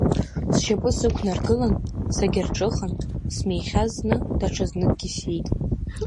Сшьапы сықәнаргылан, сагьарҿыхан, смихьаз зны, даҽазныкгьы сиит.